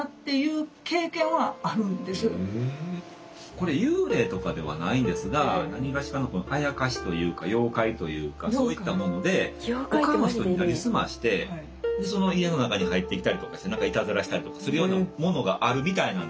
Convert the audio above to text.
これ幽霊とかではないですが何がしかのこのあやかしというか妖怪というかそういったもので他の人になりすましてその家の中に入ってきたりとかしていたずらしたりとかするようなものがあるみたいなんですよ。